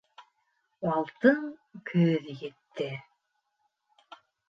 Алтын көҙ етте